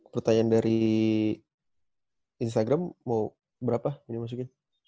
pertanyaan dari instagram mau berapa ini masuknya